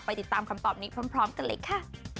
ติดตามคำตอบนี้พร้อมกันเลยค่ะ